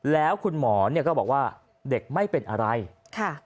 แล้วคุณหมอเนี่ยก็บอกว่าเด็กไม่เป็นอะไรค่ะ